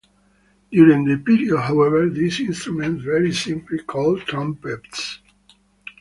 During the period, however, these instruments were simply called trumpets.